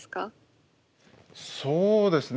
そうですね。